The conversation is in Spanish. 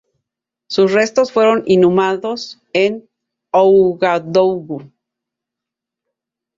Sus restos fueron inhumados en Ouagadougou.